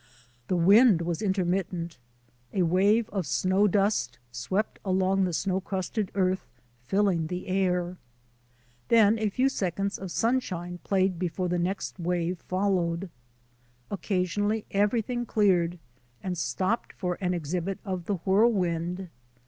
The wind was intermittent. A wave of snow dust swept along the snow crusted earth, filling the air; then a few seconds of sunshine played before the next wave followed. Occasionally everything cleared and stopped for an exhibit of the whirlwind.